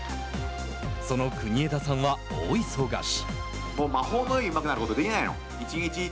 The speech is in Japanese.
その国枝さんは大忙し。